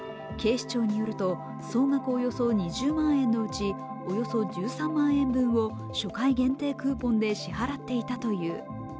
警視庁によると、総額およそ２０万円のうちおよそ１３万円分を初回限定クーポンで支払っていたという。